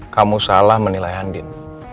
kamu salah menilai andin